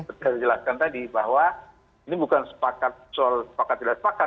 seperti yang dijelaskan tadi bahwa ini bukan sepakat soal sepakat tidak sepakat